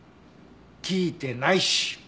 聞いてないし。